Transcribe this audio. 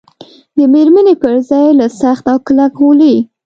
د مېرمنې پر ځای له سخت او کلک غولي.